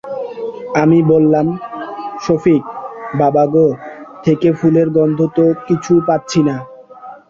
আমি বললাম, সফিক, বাবার গা থেকে ফুলের গন্ধ তো কিছু পাচ্ছি না।